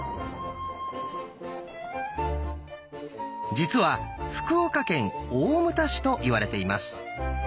実は福岡県大牟田市といわれています。